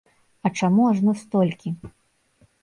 А чаму ажно столькі?